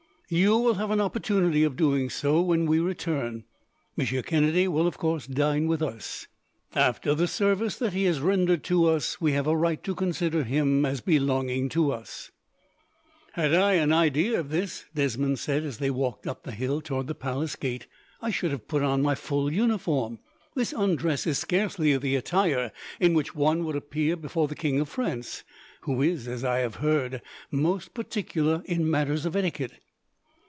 "You will have an opportunity of doing so, when we return. Monsieur Kennedy will, of course, dine with us. After the service that he has rendered to us, we have a right to consider him as belonging to us." "Had I had an idea of this," Desmond said, as they walked up the hill towards the palace gate, "I should have put on my full uniform. This undress is scarcely the attire in which one would appear before the King of France, who is, as I have heard, most particular in matters of etiquette."